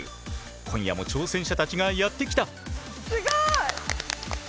今夜も挑戦者たちがやって来た！